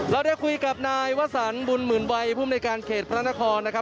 เราได้คุยกับนายวสันบุญหมื่นวัยภูมิในการเขตพระนครนะครับ